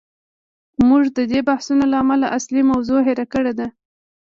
موږ د دې بحثونو له امله اصلي موضوع هیر کړې ده.